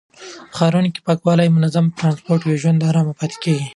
په ښارونو کې چې پاکوالی او منظم ټرانسپورټ وي، ژوند آرام پاتې کېږي.